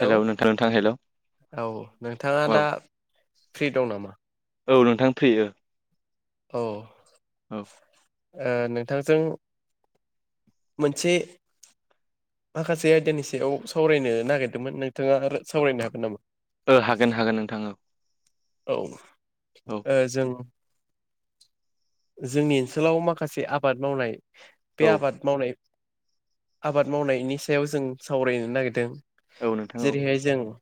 Hello नोंथां नोंथां hello हेल' औ नोंथाङा दा औ फ्रि दं नामा? औ नोंथां फ्रियो ओ। औ ओ औ नोंथांजों मोनसे। माखासे आयदानि सायाव सावरायनो नागिरदोंमोन नो । थांङा आरो सावरायनो हागोन नामा? ओ हागोन हागोन नोंथां औ औ औ ओ जों जोंनि ओनसोलाव माखासे आबाद मावनाय बे औ आबाद मावनाय। आबाद मावनायनि सायाव जों सावरायनो नागिरदों। औ नोंथां औ जेरैहाय जों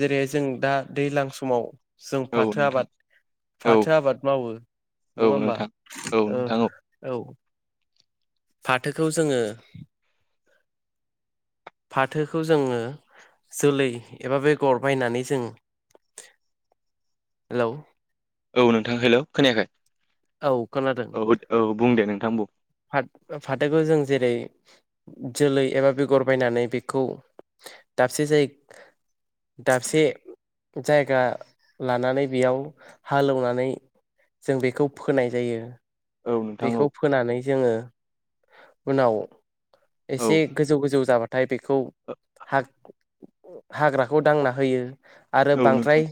जेरैहाय जों दा दैज्लां समाव। जों औ फाथो नोंथां आबाद। औ फाथो आबाद मावो औ नङा होमबा नोंथां औ ओ नोंथां औ औ। फाथोखौ जोङो। फाथोखौ जोङो जोलै एबा बेगर बायनानै जों। [inaudible] हेलौ औ नोंथां हेल' खोनायाखै? औ औ औ बुं दे नोंथां बुं। फाथ फाथोखौ जों जेरै जोलै एबा बेगर बायनानै बेखौ। दाबसे जाय दाबसे जायगा लानानै बेयाव हालेवनानै। जों बेखौ फोनाय जायो। औ नोंथां औ दैखौ फोनानै जोङो उनाव। औ एसे गोजौ गोजौ जाबाथाय बेखौ हा। हाग्राखौ दांना होयो आरो औ नोंथां बांद्राय।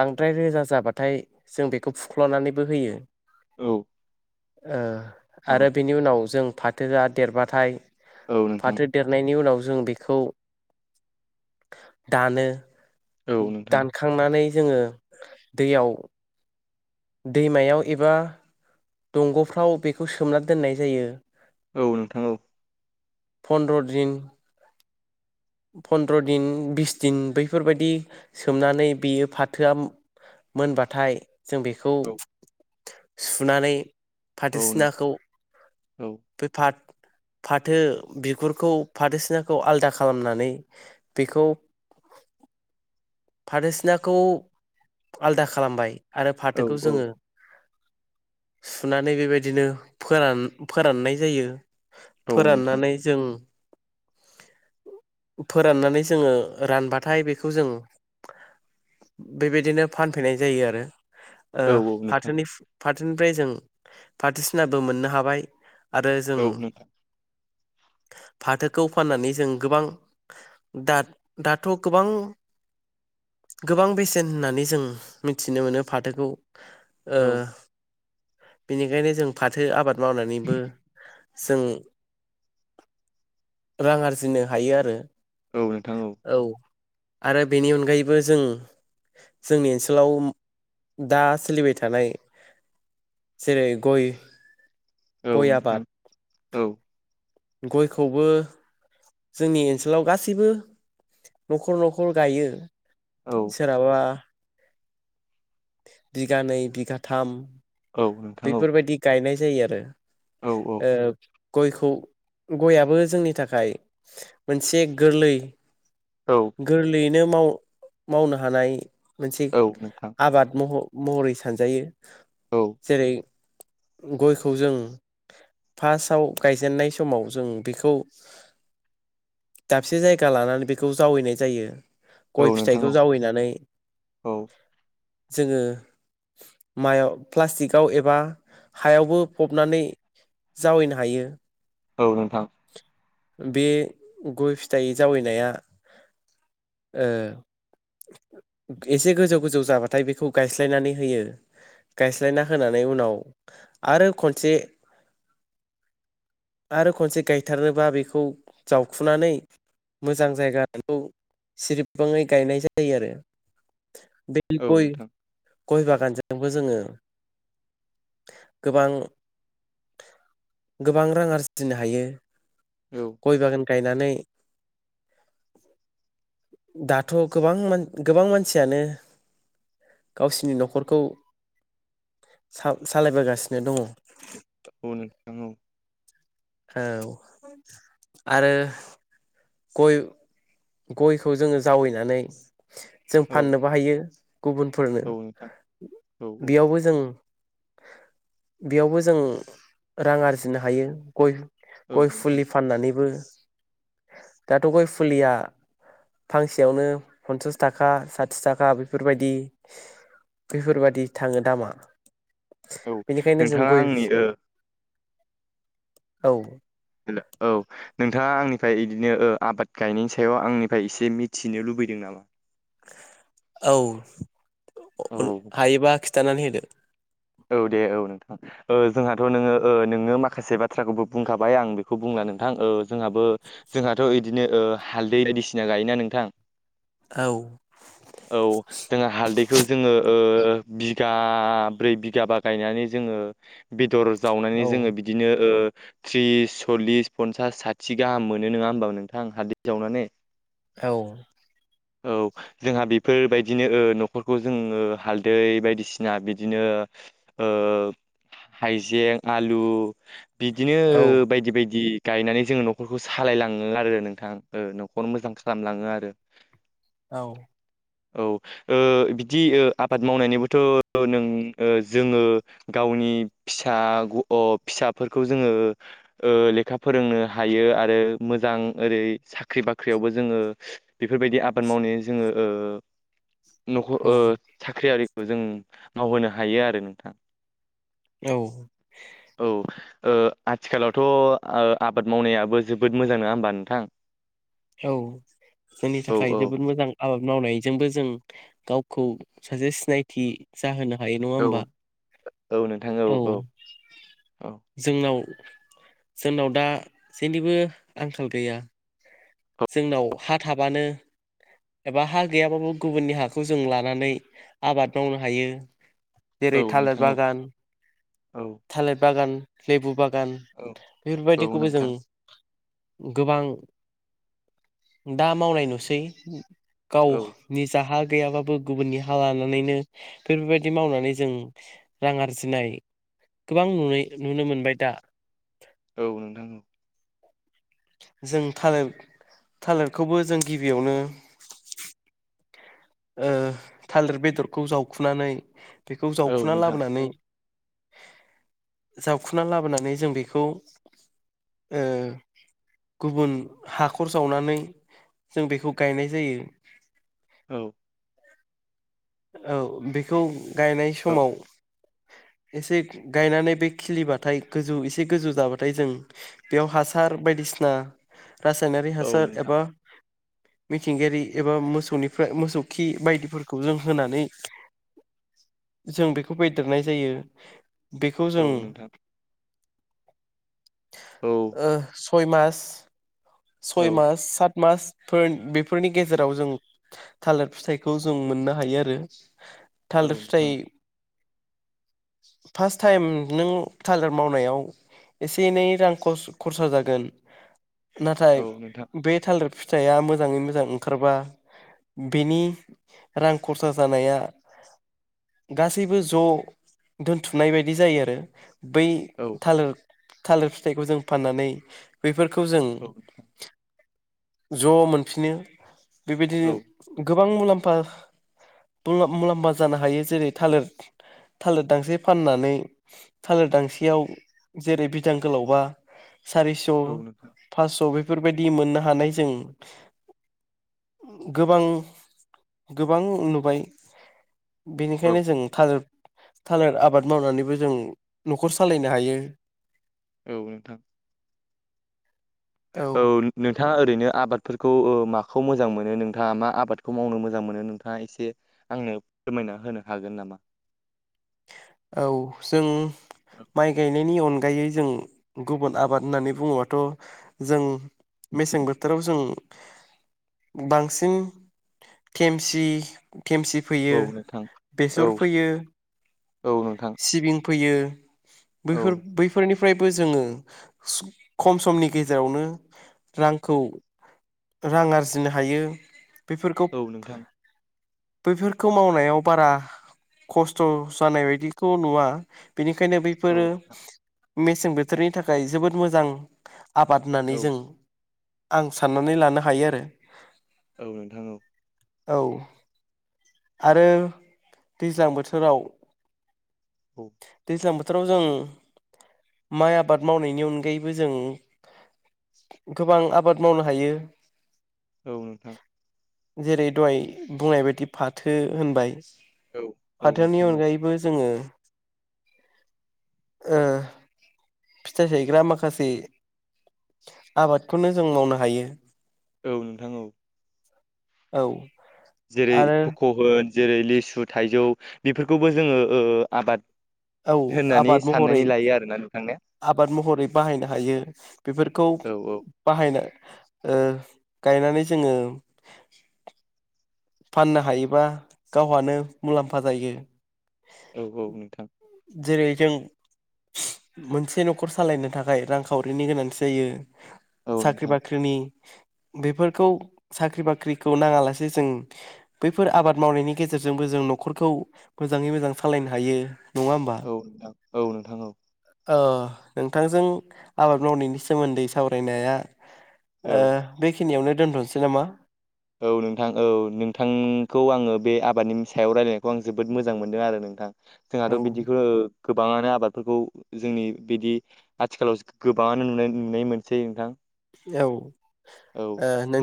बांद्राय रोजा जाबाथाय जों बेखौ फुख्ल'नानैबो होयो। औ ओ औ आरो बिनि उनाव जों फाथोआ देरबाथाय। औ नोंथां फाथो देरनायनि उनाव। जों बेखौ दानो औ नोंथां दानखांनानै। जोङो दैयाव‌। दैमायाव एबा दंग'फ्राव बेखौ सोमना दोननाय जायो। औ नोंथां औ। फन्द्र' दिन फनन्द्र' दिन बिस दिन बैफोरबायदि सोमनानै बेयो फाथोआ मोनबाथाय जों बेखौ औ सुनानै औ फाथो नोंथां सिनाखौ औ बे फाथ फाथो बिगुरखौ फाथो सिनाखौ आलदा खा खालामनानै बेखौ। फाथो सिनाखौ आलदा खालामबाय आरो औ फाथोखौ औ जोङो [inaudible] औ नोंथां फोराननानै जों फोराननानै जोङो रानबाथाय बेखौ जों [inaudible] औ नोंथां फाथोनिफ्राय जों फाथो सिनाबो मोननो हाबाय आरो जों औ नोंथां [inaudible] फाथोखौ फाननानै जों गोबां दाथ दाथ' गोबां गोबां बेसेन होननानै जों मिथिनो मोनो फाथोखौ ओ औ बिनिखायनो जों फाथो आबाद मावनानैबो जों रां आरजिनो हायो आरो। औ नोंथां औ आरो बेनि अनगायैबो जों जोंनि ओनसोलाव दा सोलिबाय थानाय जेरै गइ औ गइ नोंथां आबाद औ गइखौबो जोंनि ओनसोलाव गासैबो नखर नखर गायो औ सोरहाबा बिगानै बिगाथाम औ नोंथां औ बेफोरबायदि गायनाय जायो आरो। औ ओ गइखौ गइयाबो जोंनि थाखाय मोनसे गोरलै औ गोरलैयैनो माव मावनो हानाय मोनसे औ नोंथां आबाद मह महरै सानजायो औ जेरै गइखौ जों फार्स्टआव गायजेननाय समाव जों बेखौ दाबसे जायगा लानानै बेखौ जावैनाय जायो। औ गइ नोंथां औ फिथाइखौ जावैनानै औ जोङो माइयाव प्लास्टिकआव एबा हायावबो फबनानै जावैनो हायो औ नोंथां बे गइ फिथाइ जावैनाया ओ एसे गोजौ गोजौ जाबा थाय बेखौ गायस्लायनानै होयो। गायस्लायना होनानै उनाव आरो खनसे [inaudible] आरो खनसे गायथारनोबा बेखौ जावखुनानै मोजां जायगाखौ सिरिबाङै गायनाय जायो आरो। औ नोंथां गइ बागानजोंबो जोङो गोबां गोबां रां आरजिनो हायो। औ गइ बागान गायनानै दाथ' गोबां मान गोबां मानसियानो गावसिनि नखरखौ सा सालायबोगासिनो दङ औ नोंथां औ औ आरो गय गयखौ जोङो जावैनानै जों औ फाननोबो हायो गुबुनफोरनो औ नोंथां औ बेयावबो जों बेयावबो जों रां आरजिनो हायो गय औ गय नोंथां फुलि फाननानैबो दाथ गय फुलिया फांसेयावनो पनसास थाखा साथि थाखा बेफोरबायदि बेफोरबादि थाङो दामा औ बेनिखायनो जों नोंथाङा गय आंनि ओ औ औ नोंथाङा आंनिफ्राय इदिनो ओ आबाद गायनायनि सायाव आंनिफाय एसे मिथिनो लुबैदों नामा औ औ हायोबा खिथानानै होदो औ दे औ नोंथां ओ जोंहाथ नोङो ओ नोङो माखासे बाथ्राखौबो बुंखाबाय आं बेखौ बुंला नोंथां। ओ जोंहाबो जोंहाथ इदिनो ओ हालदै बायदिसिना गायोना नोंथां औ औ जोंहा हालदैखौ जोङो ओ बिघा ब्रै बिघा बा गायनानै जोङो बेदर जावनानै औ जोङो बिदिनो ओ थ्रिस सल्लिस पनसास साथि गाहाम मोनो नोङा होमबा नोंथां हालदै जावनानै औ औ जोंहा बेफोरबायदिनो ओ न'खरखौ जोङो हालदै बायदिसिना बिदिनो ओ हाइजें, आलु बिदिनो औ बायदि बायदि गायनानै जोङो न'खरखौ सालायलाङो आरो नोंथां न'खर मोजां खालामलाङो आरो। औ औ ओ बिदि आबाद मावनायनिबोथ' नों ओ जोङो गावनि फिसा फिसाफोरखौ जोङो ओ लेखा फोरोंनो हायो आरो मोजां ओरै साख्रि बाख्रियावबो जोङो बेफोरबायदि आ बाद मावनाय जोङो ओ न ओ साख्रि आरिखौ जों मावहोनो हायो आरो नोंथां। औ औ ओ आथिखालावथ' आबाद मावनायाबो जोबोद मोजां नङा होमबा नोंथां। औ जोंनि औ थाखाय औ जोबोद मोजां आबाद मावनायजोंबो जों गावखौ सासे सिनायथि जाहोना हायो नङा औ होमबा औ औ जोंनाव जोंनाव दा जेनिबो आंखाल गैया। जोंनाव हा थाबानो एबा हा गैयाबाबो गुबुननि हाखौ जों लानानै आबाद मावनो हायो। जेरै औ थालिर नोंथां औ बागान औ थालिर बागान लेबु बागान औ औ बेफोरबायदिखौबो जों नोंथां गोबां दा मावनाय नुसै। गाव औ निजा हा गैयाबाबो गुबुननि हा लानानैनो बेफोरबायदि मावनानै जों रां आरजिनाय गोबां नुनाय नुनो मोनबाय दा। औ नोंथां जों थालिर थालिरखौबो जों गिबियावनो ओ थालिर बेदरखौ जावखुनानै बेखौ औ जावखुना नोंथां लाबोनानै। [inaudible] जाबखुना लाबोनानै जों बेखौ गुबुन हाखर जावनानै जों बेखौ गायनाय जायो। औ औ बेखौ गायनाय औ समाव [inaudible] एसे गायनानै बे खिलिबाथाय गोजौ एसे गोजौ जाबाथाय जों बेयाव हासार बायदि बिसिना रासायनारि औ हासार नोंथां एबा मिथिंगायारि एबा मोसौनिफ्राय मोसौ खि बायदिफोरखौ जों होनानै जों बेखौ बायदेरनाय जायो बेखौ औ जों नोंथां औ ओ सय मास औ सय मास सात मासफोर बेफोरनि गेजेराव जों थालिर फिथाइखौ जों मोननो हायो आरो औ थालिर नोंथां फिथाइ [inaudible] फार्स्ट टाइम नों थालार मावनायाव एसे एनै रां खरसा जागोन नाथाय औ नोंथां बे थालिर फि थाइआ मोजाङै मोजां ओंखारबा बेनि रां खरसा जानाया गासैबो ज' दोनथुमनाय बायदि जायो आरो बै औ थालिर थालिर फिथाइखौ जों फाननानै बैफोर खौ जों औ ज मोनफिननो बेबादि औ गो बां मुलाम्फा मुलाम्फा जानो हायो जेरै थालिर थालिर दांसे फाननानै थालिर दांसेयाव जेरै बिदां गोलावबा सारिस' नोंथां फासस' बेफोरबायदि मोननो हानाय जायो गोबां गोबां नुबाय औ बेनिखायनो जों थालिर थालिर आबाद मावनानैबो जों न'खर सालायनो हायो औ नोंथां औ नोंथाङा ओरैनो आबाद फोरखौ माखौ मोजां मोनो नोंथाङा मा आबादखौ मावनो मोजां मोनो नोंथाङा एसे आंनो फोरमाय ना होनो हागोन नामा? औ जों माइ गायनायनि अन गायै जों गुबुन आबाद होननानै बुङोबाथ' जों मेसें बोथोराव जों बांसिन देमसि देमसि फोयो औ नोंथां औ बेसर फोयो औ नोंथां सिबिं फोयो औ बैफोर बैफोरनि फ्रायबो जोङो खम समनि गेजेरावनो रांखौ रां आरजिनो हायो बेफोरखौ औ नोंथां बैफोरखौ मावनायाव बारा खस्थ' जानाय बायदिखौ नुवा बेनिखायनो औ बैफोरो नोंथां मेसें बोथोरनि थाखाय जोबोद मोजां आबाद होननानै औ जों आं साननानै लानो हायो आरो औ नोंथां औ औ आरो दैज्लां बोथोराव औ दैज्लां बोथोराव जों माइ आबाद मावनायनि अनगायैबो जों गोबां आबाद मावनो हायो औ नोंथां जेरै दहाय बुंनाय बायदि फाथो होनबाय औ औ फाथोनि नोंथां अनगायैबो जोङो ओ फिथाइ थायग्रा माखासे आबादखौनो जों मावनो हायो औ नोंथां औ औ जेरै आरो खक' होन जेरै लिसु थाइजौ बेफोरखौबो जोङो ओ आबाद औ होननानै आबाद महरै साननानै लायो आरोना नोंथां। ने आबाद महरै बाहायनो हायो बेफोरखौ औ औ बाहायनो।। ओ गायनानै जोङो। फाननो हायोबा गावहानो मुलाम्फा जायो। औ औ नोंथां। जेरै जों मोनसे न'खर सालायनो थाखाय रांखावरिनि गोनांथि जायो। औ साख्रि नोंथां बाख्रिनि बेफोरखौ साख्रि बाख्रिखौ नाङालासे जों बैफोर आबाद मावनायनि गेजेरजोंबो जों न'खरखौ मोजाङै मोजां सालायनो हायो। नङा होमबा औ नोंथां औ नोंथां औ। ओ नोंथांजों आबाद मावनायनि सोमोन्दै सावरायनाया। औ ओ बेखिनियावनो दोनथ'सै नामा? औ नोंथां औ नोंथांखौ आङो बे आबादनि सायाव रायजलायनायखौ आं जोबोद मोजां मोनदों आरो नोंथां। औ जोंहाथ' बिदिखौ गोबाङानो आबादफोरखौ जोंनि बिदि आथिखालाव गोबाङानो नुनाय नुनाय मोनसै नोंथां। औ ओ औ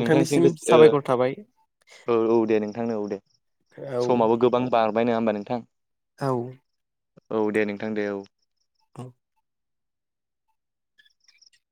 नोंथांसिम गोस- साबायखर ओ थाबाय। औ औ दे नोंथांनो औ दे औ समाबो गोबां बारबाय नङा होमबा नोंथां । औ औ दे नोंथां दे औ । औ